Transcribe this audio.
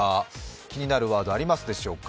気になるワードはありますでしょうか？